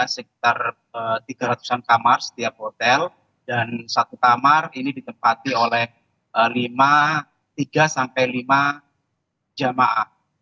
sekitar tiga ratus an kamar setiap hotel dan satu kamar ini ditempati oleh lima tiga sampai lima jamaah